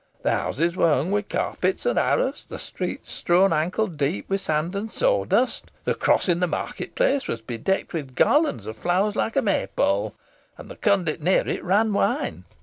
The houses were hung with carpets and arras; the streets strewn ankle deep with sand and sawdust; the cross in the market place was bedecked with garlands of flowers like a May pole; and the conduit near it ran wine.